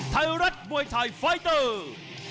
ไทยรัฐมวยไทยไฟเตอร์